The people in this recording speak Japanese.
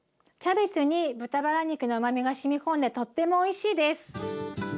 キャベツに豚バラ肉のうまみがしみ込んでとってもおいしいです。